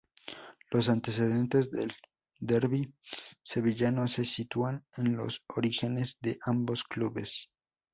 Los antecedentes del derbi sevillano se sitúan en los orígenes de ambos clubes.